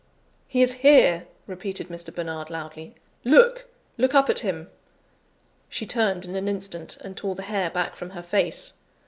"He is here," repeated Mr. Bernard loudly. "Look! look up at him!" She turned in an instant, and tore the hair back from her face.